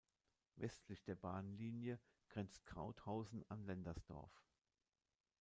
Westlich der Bahnlinie grenzt Krauthausen an Lendersdorf.